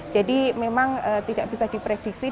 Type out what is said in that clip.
memang tidak bisa diprediksi